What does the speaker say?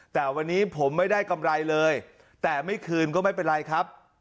แต่วันนี้ผมไม่ได้กำไรเลยแต่ไม่คืนก็ไม่เป็นไรครับ